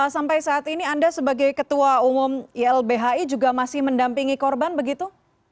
sampai saat ini anda sebagai ketua umum ilbhi juga masih mendampingi korban begitu